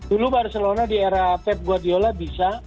dulu barcelona di era pep guardiola bisa